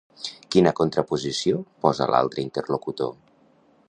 Quina contraposició posa l'altre interlocutor?